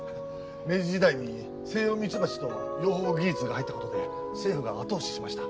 明治時代にセイヨウミツバチと養蜂技術が入ったことで政府が後押ししました。